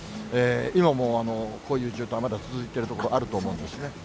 今もこういう状態、続いている所あると思うんですね。